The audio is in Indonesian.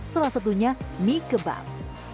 salah satunya mie kebab